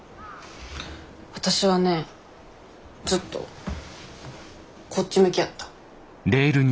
わたしはねずっとこっち向きやった。